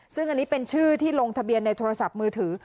ซึ่งอันนี้เป็นชื่อที่ลงทะเบียนในโทรศัพท์มือถือ